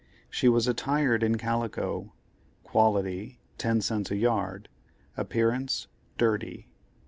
She was attired in calico; quality, ten cents a yard; appearance, dirty.